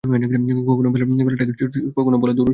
কখনো বোলার বলটা করার ঠিক আগে, কখনো বোলার দৌড় শুরু করার সময়েই।